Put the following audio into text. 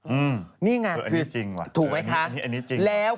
อือก็เนี่ยจริงนะเนี่ยอันนี้จริงแล้ว